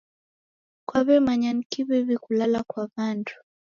Kwaw'emanya ni kiw'iw'i kulala kwa w'andu.